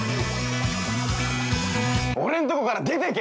◆俺んところから出てけ！